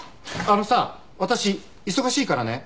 あのさ私忙しいからね。